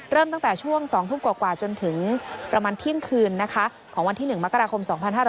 เริ่มตั้งแต่ช่วง๒ทุ่มกว่าจนถึงประมาณเที่ยงคืนนะคะของวันที่๑มกราคม๒๕๕๙